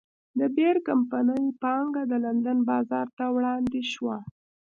د بیر کمپنۍ پانګه د لندن بازار ته وړاندې شوه.